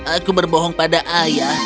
aku berbohong pada ayah